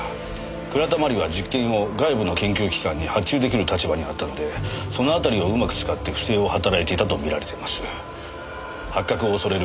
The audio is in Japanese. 倉田真理は実験を外部の研究機関に発注出来る立場にあったのでその辺りをうまく使って不正を働いていたと見られています。